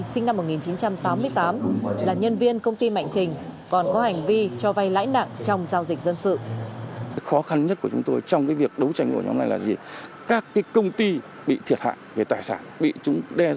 sinh năm một nghìn chín trăm tám mươi tám là nhân viên công ty mạnh trình còn có hành vi cho vay lãi nặng trong giao dịch dân sự